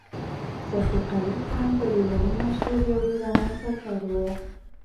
صفي قلي خان په لېوني مشهور يو ایراني سردار و.